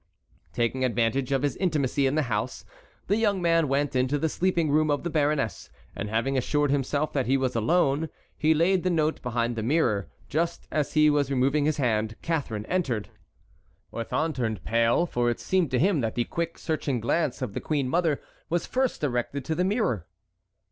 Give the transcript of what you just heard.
Taking advantage of his intimacy in the house, the young man went into the sleeping room of the baroness, and, having assured himself that he was alone, he laid the note behind the mirror. Just as he was removing his hand Catharine entered. Orthon turned pale, for it seemed to him that the quick, searching glance of the queen mother was first directed to the mirror.